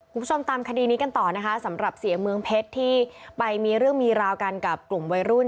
คุณผู้ชมตามคดีนี้กันต่อนะคะสำหรับเสียเมืองเพชรที่ไปมีเรื่องมีราวกันกับกลุ่มวัยรุ่น